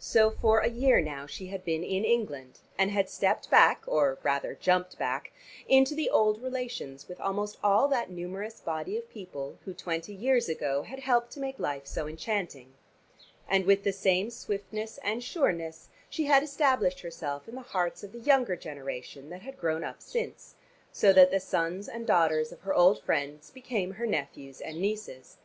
So for a year now she had been in England, and had stepped back, or rather jumped back, into the old relations with almost all that numerous body of people who twenty years ago had helped to make life so enchanting. And with the same swiftness and sureness she had established herself in the hearts of the younger generation that had grown up since, so that the sons and daughters of her old friends became her nephews and nieces.